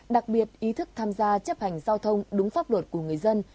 đặc biệt ý thức tham gia chấp hành giao thông đúng pháp luật của người dân